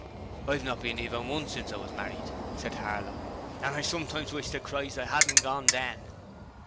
'I've not been even once since I was married,' said Harlow, 'and I sometimes wish to Christ I 'adn't gorn then.'